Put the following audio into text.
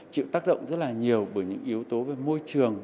chịu tác động rất là nhiều bởi những yếu tố về môi trường